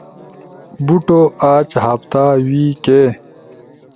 بوٹو، آج، ہفتہ ، وی کے،